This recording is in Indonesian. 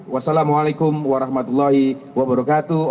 wassalamualaikum warahmatullahi wabarakatuh